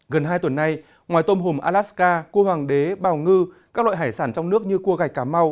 gần hai tuần nay ngoài tôm hùm alaska cua hoàng đế bào ngư các loại hải sản trong nước như cua gạch cà mau